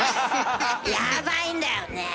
やばいんだよね。